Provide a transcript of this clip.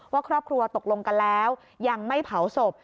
ว่าครอบครัวตกลงกันแล้วยังไม่เผาศพ